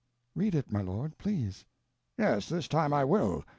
"Read it, my lord, please." "Yes, this time I will.